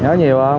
nhớ nhiều không